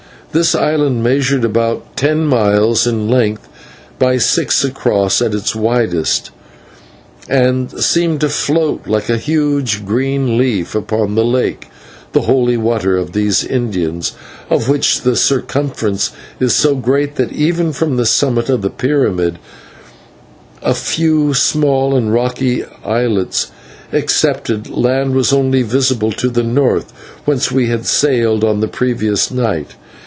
This island measured about ten miles in length by six across at its widest, and seemed to float like a huge green leaf upon the lake, the Holy Waters of these Indians, of which the circumference is so great that even from the summit of the pyramid, a few small and rocky islets excepted, land was only visible to the north, whence we had sailed on the previous night.